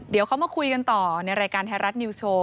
เดี๋ยวเขามาคุยกันต่อในรายการไทยรัฐนิวโชว